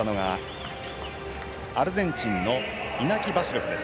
アルゼンチンのイナキ・バシロフです。